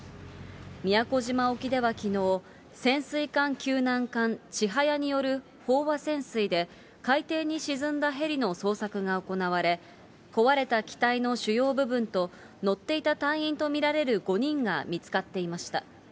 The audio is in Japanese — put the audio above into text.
宮古島沖ではきのう、潜水艦救難艦ちはやによる飽和潜水で、海底に沈んだヘリの捜索が行われ、壊れた機体の主要部分と、乗っていた隊員と見られる５人が見つかっていました。